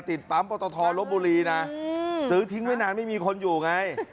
ติดปั๊มปตทลบบุรีนะซื้อทิ้งไว้นานไม่มีคนอยู่ไง